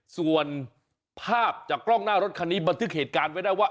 ส่วนภาพจากกล้องหน้ารถคันนี้บันทึกเหตุการณ์ไว้ได้ว่า